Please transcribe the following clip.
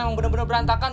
emang bener bener berantakan